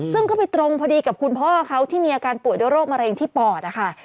ซึ่งก็ไปตรงพอดีกับคุณพ่อเขาที่มีอาการป่วยด้วยโรคมะเร็งที่ปอดนะคะ